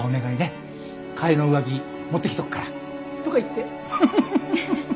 替えの上着持ってきとくからとか言って。